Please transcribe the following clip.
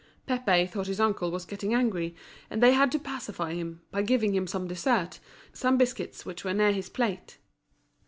Pépé thought his uncle was getting angry, and they had to pacify him, by giving him some dessert, some biscuits which were near his plate.